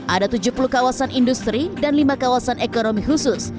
ada tujuh puluh kawasan industri dan lima kawasan ekonomi khusus